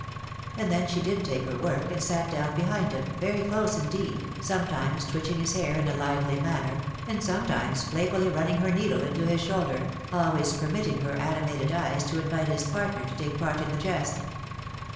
And then she did take her work, and sat down behind him, very close indeed, sometimes twitching his hair in a lively manner, and sometimes playfully running her needle into his shoulder, always per mitting her animated eyes to invite his partner to take part in the jest.